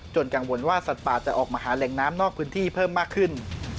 กังวลว่าสัตว์ป่าจะออกมาหาแหล่งน้ำนอกพื้นที่เพิ่มมากขึ้น